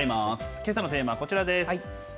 けさのテーマ、こちらです。